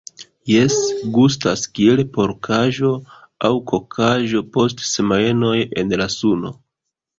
Jes, gustas kiel porkaĵo aŭ kokaĵo post semajnoj en la suno